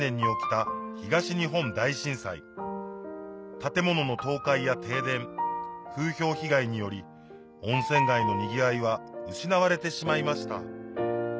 建物の倒壊や停電風評被害により温泉街のにぎわいは失われてしまいました